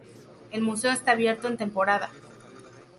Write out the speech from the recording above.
El museo está abierto en temporada.